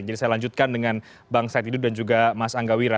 jadi saya lanjutkan dengan bang said didu dan juga mas angga wira